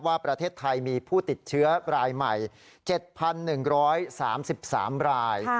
ว่าประเทศไทยมีผู้ติดเชื้อรายใหม่๗๑๓๓ราย